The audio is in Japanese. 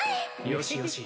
よしよし